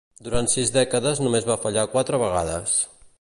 Durant sis dècades només va fallar quatre vegades.